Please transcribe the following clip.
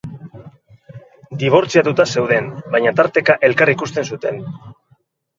Dibortziatuta zeuden, baina tarteka elkar ikusten zuten.